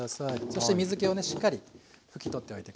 そして水けをねしっかり拭き取っておいて下さい。